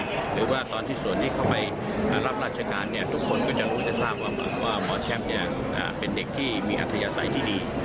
หรือว่าตอนที่ส่วนนี้เข้าไปรับราชการทุกคนก็จะรู้จะทราบว่าหมอแชมป์เป็นเด็กที่มีอัธยาศัยที่ดี